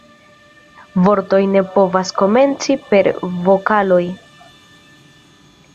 Vortoj ne povas komenci per vokaloj.